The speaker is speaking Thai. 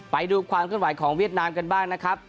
ไปดูความขึ้นไหวของเวียดนามกันบ้างนะครับ